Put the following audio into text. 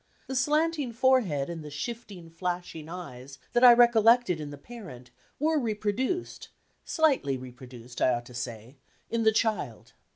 The slanting forehead and the shifting, flashing eyes, that I recollected in the parent, were reproduced (slightly reproduced, I ought to say) in the child.